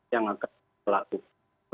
yang akan kita lakukan